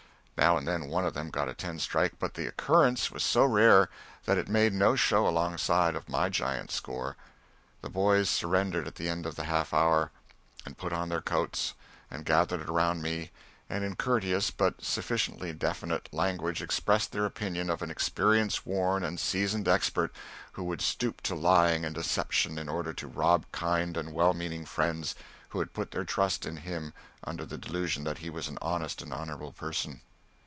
Now and then one of them got a ten strike, but the occurrence was so rare that it made no show alongside of my giant score. The boys surrendered at the end of the half hour, and put on their coats and gathered around me and in courteous, but sufficiently definite, language expressed their opinion of an experience worn and seasoned expert who would stoop to lying and deception in order to rob kind and well meaning friends who had put their trust in him under the delusion that he was an honest and honorable person.